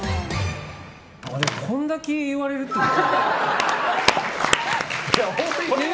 これだけ言われるってことは。